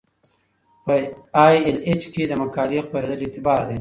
په ای ایل ایچ کې د مقالې خپریدل اعتبار دی.